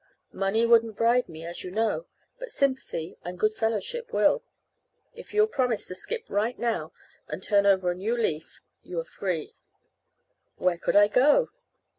Money wouldn't bribe me, as you know, but sympathy and good fellowship will. If you'll promise to skip right now, and turn over a new leaf, you are free." "Where could I go?"